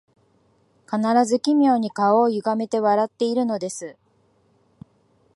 必ず奇妙に顔をゆがめて笑っているのです